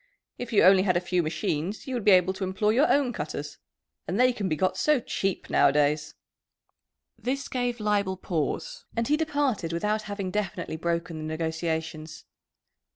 If you only had a few machines you would be able to employ your own cutters. And they can be got so cheap nowadays." This gave Leibel pause, and he departed without having definitely broken the negotiations.